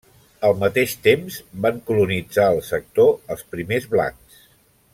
Al mateix temps, van colonitzar el sector els primers blancs.